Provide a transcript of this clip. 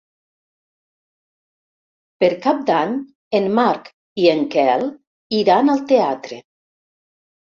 Per Cap d'Any en Marc i en Quel iran al teatre.